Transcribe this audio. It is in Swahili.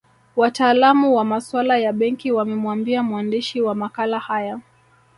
Wataalamu wa masuala ya benki wamemwambia mwandishi wa makala haya